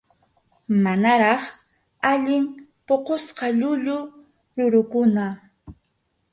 Manaraq allin puqusqa llullu rurukuna.